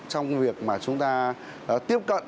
trong việc mà chúng ta tiếp cận